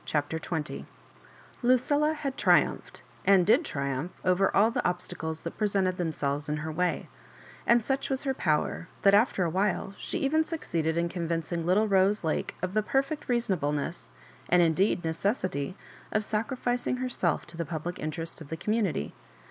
CHAPTER XX LuciLLA had triumphed, and did triumph, over all the obstades that presented themselves in her way ; and such was her power, that after a while she even succeeded in convincing little Rose Lake of the perfect reasonableness, and indeed necessity, of sacrificing herself to the public in terests of the community.